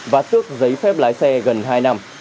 và xước giấy phép lái xe gần hai năm